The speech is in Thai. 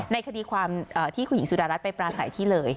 ในคดีความที่คุณหญิงสุดารัฐไปปราศัยที่เลย